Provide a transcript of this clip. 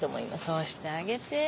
そうしてあげて。